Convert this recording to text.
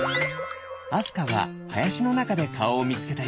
あすかははやしのなかでかおをみつけたよ。